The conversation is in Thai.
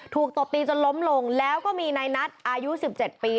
ตบตีจนล้มลงแล้วก็มีนายนัทอายุ๑๗ปี